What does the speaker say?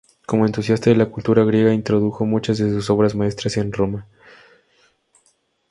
Como entusiasta de la cultura griega, introdujo muchas de sus obras maestras en Roma.